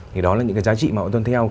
thì đó là những cái giá trị mà họ tuân theo